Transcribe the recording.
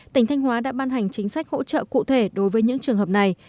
tỉnh thanh hóa đã ban hành chính sách hỗ trợ cụ thể đối với những trường hợp này